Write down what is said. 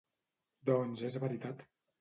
Doncs és veritat.